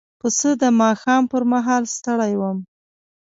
پسه د ماښام پر مهال ستړی وي.